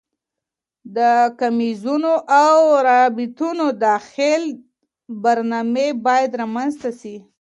د کميزونو او رقابتونو د حل برنامې باید رامنځته سي.